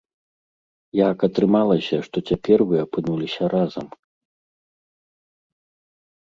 Як атрымалася, што цяпер вы апынуліся разам?